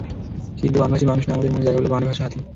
কিন্তু বানভাসি মানুষ নয়, আমাদের মনে জায়গা পেল বানে ভাসা হাতি।